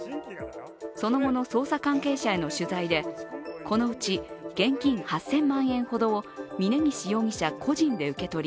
その後の捜査関係者への取材で、このうち現金８０００万円ほどを峯岸容疑者個人で受け取り